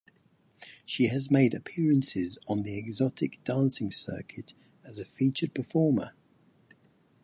She has made appearances on the exotic dancing circuit as a featured performer.